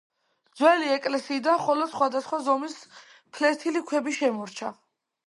ძველი ეკლესიიდან მხოლოდ სხვადასხვა ზომის ფლეთილი ქვები შემორჩა.